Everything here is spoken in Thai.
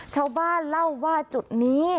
ชาวบ้านเล่าว่าจุดนี้